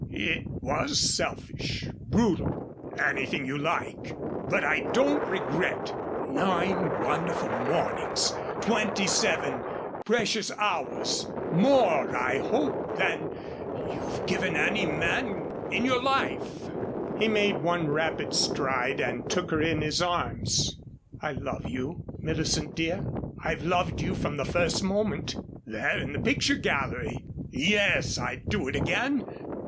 It was selfish brutal anything you like. But I don't regret nine wonderful mornings, twenty seven precious hours more, I hope, than you've given any man in your life." He made one rapid stride and took her in his arms. "I love you, Millicent, dear. I've loved you from the first moment there in the picture gallery. Yes, I'd do it again.